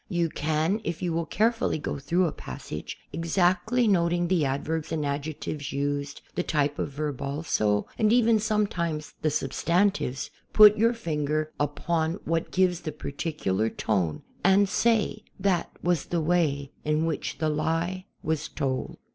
You can, if you will carefully go through a passage, exactly noting the adverbs and adjectives used, the type of verb also, and even, sometimes, the substantives, put your finger upon what gives the particular tone and say: ''That was the way in which the lie was told."